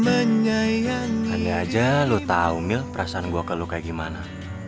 andai aja lu tau miel perasaan gua ke lu kayak gimana